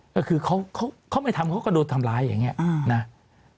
ก็คือเขาไม่ทำเขาก็โดนทำร้ายอย่างนี้นะ